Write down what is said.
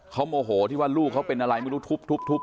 เขาโมโหที่ว่าลูกเขาเป็นอะไรไม่รู้ทุบ